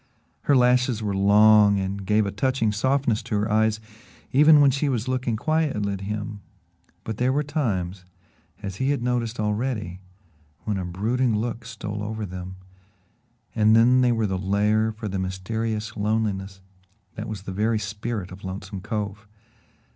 Her lashes were long and gave a touching softness to her eyes even when she was looking quietly at him, but there were times, as he had noticed already, when a brooding look stole over them, and then they were the lair for the mysterious loneliness that was the very spirit of Lonesome Cove.